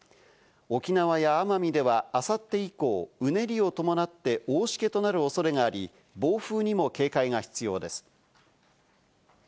沖縄や奄美では、あさって以降、うねりを伴って大しけとなる恐れがあり、暴風にも警戒が必要です。